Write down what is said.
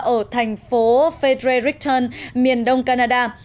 ở thành phố frederickton miền đông canada